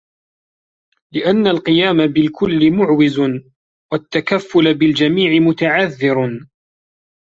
لِأَنَّ الْقِيَامَ بِالْكُلِّ مُعْوِزٌ وَالتَّكَفُّلَ بِالْجَمِيعِ مُتَعَذِّرٌ